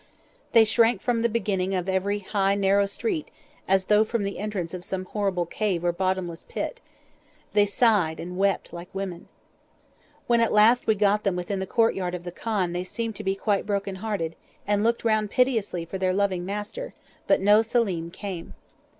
They shrank from the beginning of every high narrow street as though from the entrance of some horrible cave or bottomless pit; they sighed and wept like women. When at last we got them within the courtyard of the khan they seemed to be quite broken hearted, and looked round piteously for their loving master; but no Selim came.